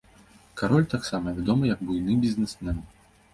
Кароль таксама вядомы як буйны бізнесмен.